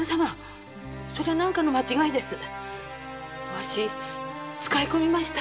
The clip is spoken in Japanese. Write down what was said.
ワシ使い込みました。